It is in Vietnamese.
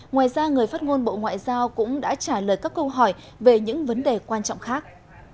ngoài ra người phát ngôn bộ ngoại giao cũng đã trả lời các câu hỏi về những vấn đề quan trọng khác